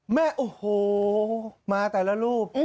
แม่โอ้โหมาแต่ละรูป